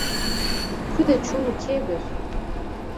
Ku de çûn û kê bir?